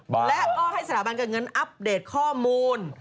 และก็ให้สถาบันการเงินอัปเดตข้อมูล